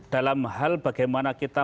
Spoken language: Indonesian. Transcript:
dalam hal bagaimana kita